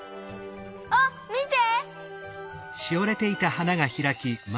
あっみて！